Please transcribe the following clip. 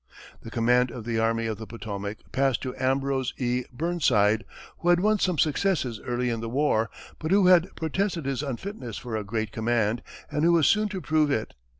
The command of the Army of the Potomac passed to Ambrose E. Burnside, who had won some successes early in the war, but who had protested his unfitness for a great command, and who was soon to prove it.